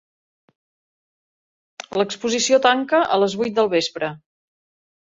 L'exposició tanca a les vuit del vespre.